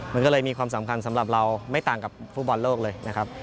มันก็เลยมีความสำคัญสำหรับเราไม่ต่างกับฟุตบอลโลกเลยนะครับ